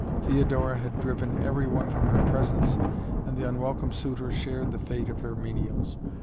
Theodora had driven every one from her presence and the unwelcome suitor shared the fate of her menials.